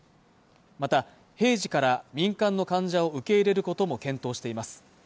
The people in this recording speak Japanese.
また平時から民間の患者を受け入れることも検討しています